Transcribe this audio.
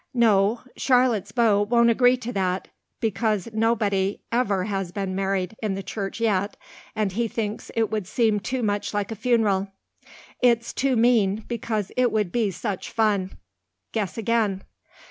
"No. Charlotte's beau won't agree to that, because nobody ever has been married in the church yet, and he thinks it would seem too much like a funeral. It's too mean, because it would be such fun. Guess again."